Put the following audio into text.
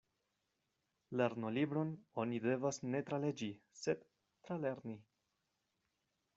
Lernolibron oni devas ne traleĝi, sed tralerni.